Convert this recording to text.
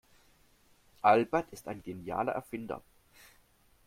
Albert ist ein genialer Erfinder.